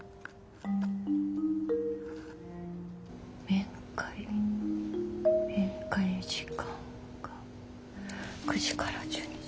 面会面会時間が９時から１２時。